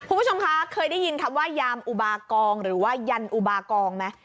คุณผู้ชมคะเคยได้ยินคำว่ายามอุบากองหรือว่ายันอุบากองไหม